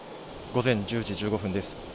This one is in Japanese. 午前１０時１５分です。